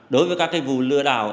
đối với các cái vụ lừa đảo